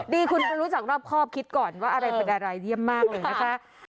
ดีคุณจะรู้จักรอบครอบคิดก่อนว่าอะไรเป็นอะไรเยี่ยมมากเลยนะคะ